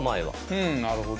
うんなるほど。